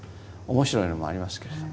面白いのもありますけれども。